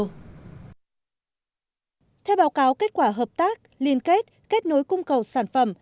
theo báo cáo kết quả hợp tác liên kết kết nối cung cầu sản phẩm